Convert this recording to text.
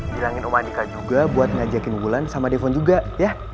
bilangin om andika juga buat ngajakin wulan sama devon juga ya